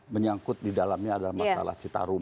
menyangkut di dalamnya adalah masalah citarum